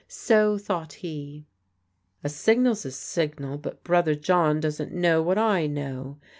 So, thought he, "A signal's a signal; but brother John doesn't know what I know.